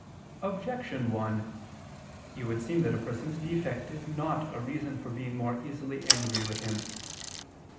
Objection 1: It would seem that a person's defect is not a reason for being more easily angry with him.